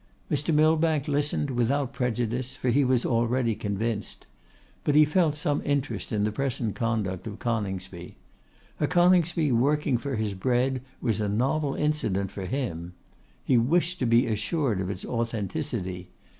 Mr. Millbank listened without prejudice, for he was already convinced. But he felt some interest in the present conduct of Coningsby. A Coningsby working for his bread was a novel incident for him. He wished to be assured of its authenticity.